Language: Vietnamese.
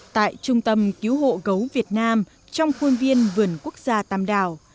tại trung tâm cứu hộ gấu việt nam trong khuôn viên vườn quốc gia tàm đào